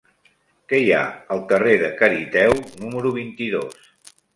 Què hi ha al carrer de Cariteo número vint-i-dos?